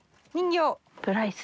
ブライス！